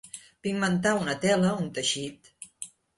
Pigmentar una tela, un teixit.